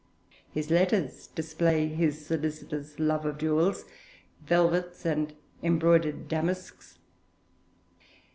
His letters display his solicitous love of jewels, velvets, and embroidered damasks.